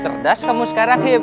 cerdas kamu sekarang him